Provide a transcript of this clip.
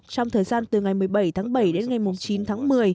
trong thời gian từ ngày một mươi bảy tháng bảy đến ngày chín tháng một mươi